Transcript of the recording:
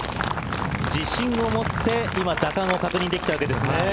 自信を持って今確認できたわけですね。